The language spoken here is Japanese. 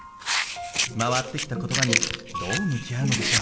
回ってきた言葉にどう向き合うのでしょう。